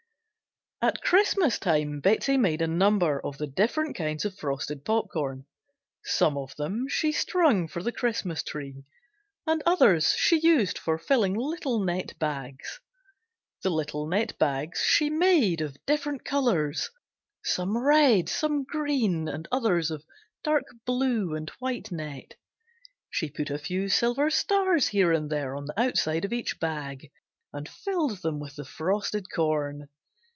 At Christmas time Betsey made a number of the different kinds of frosted popcorn. Some of them she strung for the Christmas Tree and others she used for filling little net bags. The little net bags she made of different colors, some red, some green and others of dark blue and white net. She put a few silver stars here and there on the outside of each bag and filled them with the frosted corn.